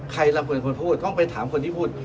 ใครเราเป็นคนพูดต้องไปถามคนที่พูด